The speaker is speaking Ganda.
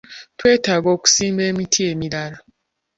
Twetaga okusimba emiti emirala.